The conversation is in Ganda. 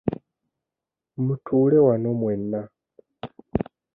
Mutuule wano mwenna.